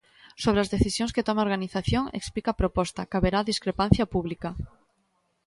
Sobre as decisións que tome a organización, explica a proposta, caberá a "discrepancia pública".